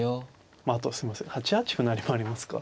まああとすいません８八歩成もありますか。